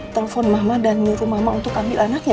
telepon mama dan miku mama untuk ambil anaknya